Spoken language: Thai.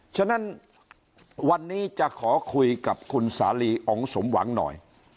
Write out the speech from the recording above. ฉะนั้นวันนี้จะขอคุยกับคุณสาลีอ๋องสมหวังหน่อย